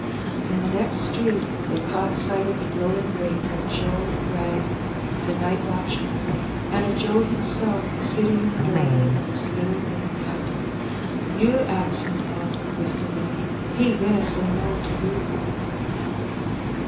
In the next street they caught sight of the glowing grate of Joe Wragg, the night watchman, and of Joe himself, sitting in the doorway of his little wooden hut. '^ You ax him, Nell," whispered Benny ;^^ he winna say no to you."